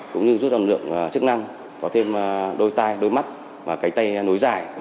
cũng như giúp dòng lượng chức năng có thêm đôi tay đôi mắt và cái tay nối dài